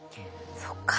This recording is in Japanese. そっか。